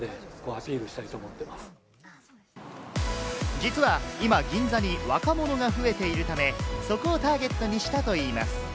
実は今、銀座に若者が増えているため、そこをターゲットにしたといいます。